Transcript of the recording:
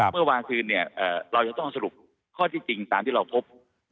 เมื่อวานคืนเนี่ยเราจะต้องสรุปข้อที่จริงตามที่เราพบ